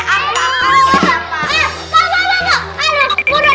ampun ampun ampun